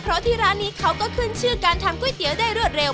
เพราะที่ร้านนี้เขาก็ขึ้นชื่อการทำก๋วยเตี๋ยวได้รวดเร็ว